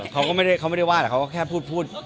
เขาก็ไม่ได้ว่าแต่เขาก็แค่พูด